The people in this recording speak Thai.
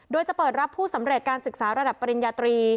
โดยจะเปิดรับผู้สำเร็จการศึกษาระดับปริญญาตรี